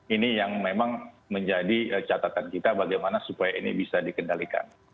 ini yang memang menjadi catatan kita bagaimana supaya ini bisa dikendalikan